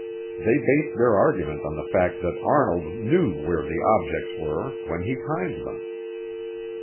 They based their argument on the fact that Arnold knew where the objects were when he timed them.